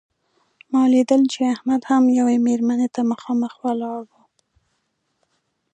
ما لیدل چې احمد هم یوې مېرمنې ته مخامخ ولاړ و.